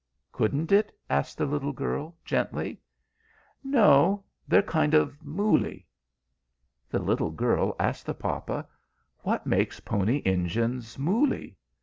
"Couldn't it?" asked the little girl, gently. "No; they're kind of mooley." The little girl asked the papa, "What makes Pony Engines mooley?"